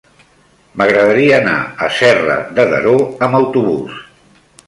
M'agradaria anar a Serra de Daró amb autobús.